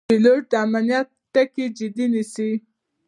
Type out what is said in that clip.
پیلوټ د امنیت ټکي جدي نیسي.